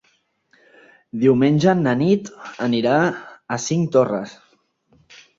Diumenge na Nit anirà a Cinctorres.